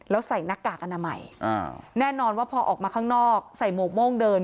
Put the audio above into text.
แล้วใส่หน้ากากอนามัยแน่นอนว่าพอออกมาข้างนอกใส่หมวกโม่งเดิน